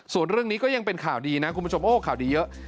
ส่วนเรื่องนี้ก็ยังเป็นข่าวดีนะคุณผู้ชมโอ้ข่าวดีเยอะ